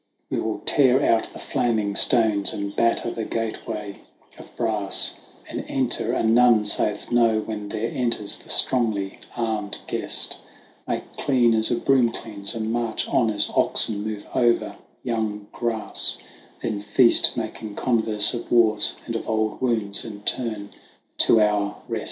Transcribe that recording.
We will tear out the flaming stones, and batter the gateway of brass And enter, and none sayeth "No" when there enters the strongly armed guest ; Make clean as a broom cleans, and march on as oxen move over young grass ; Then feast, making converse of Eire, of wars, and of old wounds, and rest. S. Patric.